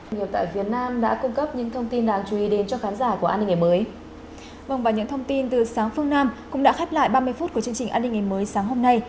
nhiều tại việt nam đã cung cấp những thông tin đáng chú ý đến cho khán giả của an ninh ngày mới